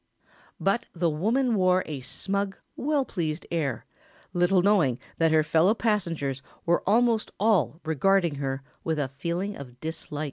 But the woman wore a smug, well pleased air, little knowing that her fellow passengers were almost all regarding her with a feeling of dislike.